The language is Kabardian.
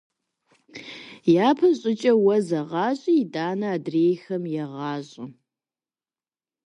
Япэ щӏыкӏэ уэ зэгъащӏи итӏанэ адрейхэм егъащӏэ.